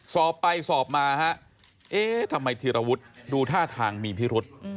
สอบไปสอบมาเอ้ทำไมธิรวุทธดูท่าทางมีพิรุฒิ